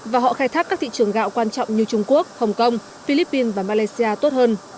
và họ khai thác các thị trường gạo quan trọng như trung quốc hồng kông philippines và malaysia tốt hơn